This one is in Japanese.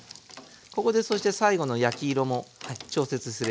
ここでそして最後の焼き色も調節すればほら。